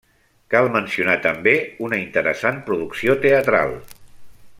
Cal mencionar també una interessant producció teatral.